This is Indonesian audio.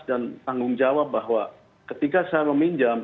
dan tanggung jawab bahwa ketika saya meminjam